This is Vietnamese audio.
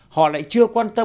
họ lại chưa quan tâm